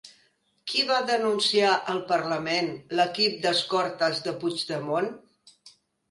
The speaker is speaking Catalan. Qui va denunciar al parlament l'equip d'escortes de Puigdemont?